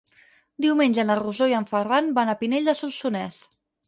Diumenge na Rosó i en Ferran van a Pinell de Solsonès.